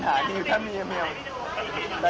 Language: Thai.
โทษเย็น